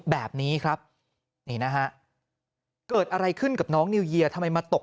แบบนี้ครับนี่นะฮะเกิดอะไรขึ้นกับน้องนิวเยียทำไมมาตก